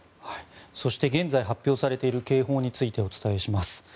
そして現在発表されている警報についてお伝えします。